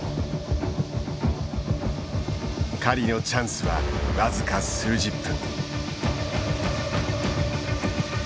狩りのチャンスはわずか数十分。